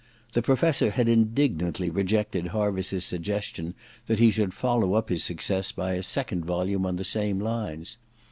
The Professor had indignantly rejected Hanriss's suggestion that he should follow up his success by a second volume on the same lines.